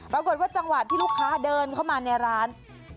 ปรากฏว่าจังหวะที่ลูกค้าเดินเข้ามาในร้าน